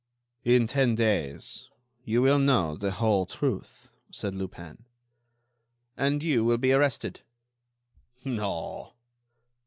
"In ten days you will know the whole truth," said Lupin. "And you will be arrested." "No."